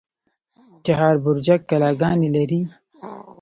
چهار برجک کلاګانې لري؟